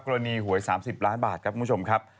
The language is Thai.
หวย๓๐ล้านบาทครับคุณผู้ชมครับ